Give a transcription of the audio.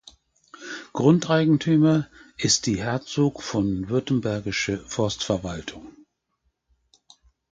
Grundeigentümer ist die Herzog von Württembergische Forstverwaltung.